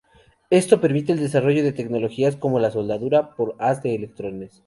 Esto permite el desarrollo de tecnologías como la soldadura por haz de electrones.